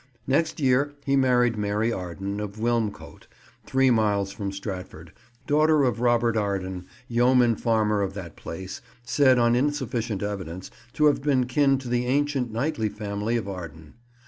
Next year he married Mary Arden, of Wilmcote, three miles from Stratford, daughter of Robert Arden, yeoman farmer of that place, said on insufficient evidence to have been kin to the ancient knightly family of Arden.